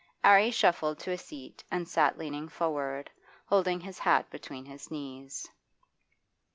'Arry shuffled to a seat and sat leaning forward, holding his hat between his knees.